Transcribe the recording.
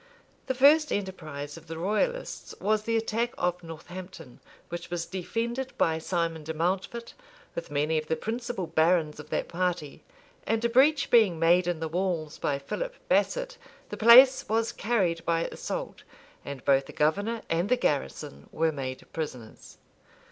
The first enterprise of the royalists was the attack of Northampton, which was defended by Simon de Mountfort, with many of the principal barons of that party: and a breach being; made in the walls by Philip Basset, the place was carried by assault, and both the governor and the garrison were made prisoners.